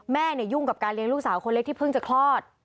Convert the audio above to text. แม่ยุ่งกับการเลี้ยงลูกสาวคนเล็กที่เพิ่งจะคลอด